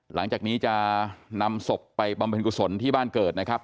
หลังจากนี้จะนำศพไปบำเพ็ญกุศลที่บ้านเกิดนะครับ